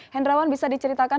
hendrawan bisa diceritakan